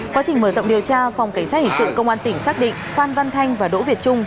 quá trình mở rộng điều tra phòng cảnh sát hình sự công an tỉnh xác định phan văn thanh và đỗ việt trung